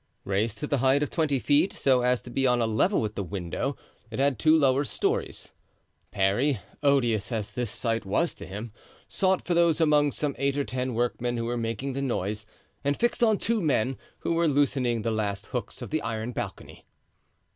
Raised to the height of twenty feet, so as to be on a level with the window, it had two lower stories. Parry, odious as was this sight to him, sought for those among some eight or ten workmen who were making the most noise; and fixed on two men, who were loosening the last hooks of the iron balcony.